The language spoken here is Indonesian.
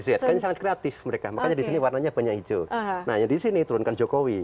gen z kan sangat kreatif mereka makanya di sini warnanya banyak hijau nah yang di sini turunkan jokowi